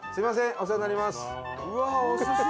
お世話になります。